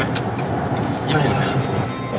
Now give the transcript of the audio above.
ไม่อร่อยค่ะ